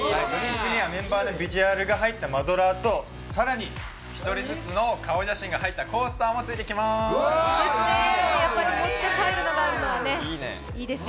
メンバーのビジュアルが入ったマドラーと１人ずつの顔写真が入ったコースターも入ってきます。